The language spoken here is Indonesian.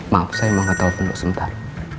maaf saya mau ngetau pendek sebentar